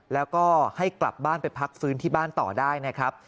แล้วก็ให้กลับบ้านไปพักฟื้นที่บ้านต่อได้นะครับ